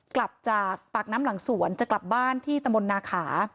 กลับจากปากน้ำหลังสวนจะกลับบ้านที่ตะมนต์นาขา